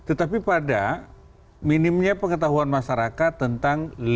tetapi pada minimnya pengetahuan masyarakat tentang limit limit kebebasan